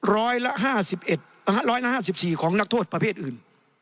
ร้อยละ๕๑๕๔ของนักโทษประเภทอื่น